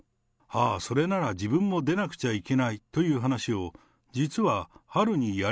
ああそれなら、自分も出なくちゃいけないという話を、実は春にや